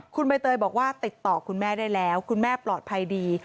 คุณใบเตยบอกว่าติดต่อคุณแม่ได้แล้วคุณแม่ปลอดภัยดี